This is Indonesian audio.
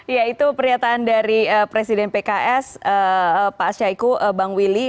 iya itu pernyataan dari presiden pks pak asyaiku bangwili